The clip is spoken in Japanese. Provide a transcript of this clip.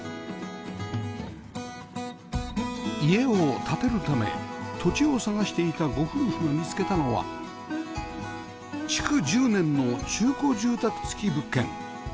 家を建てるため土地を探していたご夫婦が見つけたのは築１０年の中古住宅付き物件